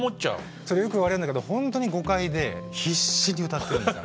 それねよく言われるんだけどほんとに誤解で必死に歌ってるんですよ。